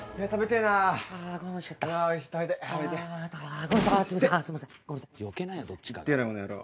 痛えなこの野郎。